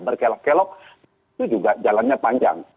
berkelok kelok itu juga jalannya panjang